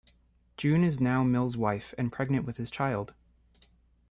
June is now Mill's wife and pregnant with his child.